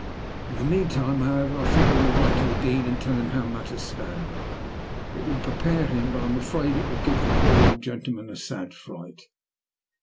In the meantime, however, I think I will write to the Dean and tell him how matters stand. It will prepare him, but I am afraid it will give the poor old gentleman a sad fright."